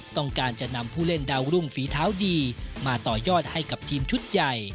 ต้องการจะนำผู้เล่นดาวรุ่งฝีเท้าดีมาต่อยอดให้กับทีมชุดใหญ่